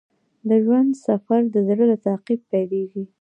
د ژوند سفر د زړه له تعقیب پیلیږي.